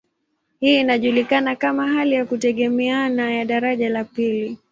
Hii inajulikana kama hali ya kutegemeana ya daraja la pili.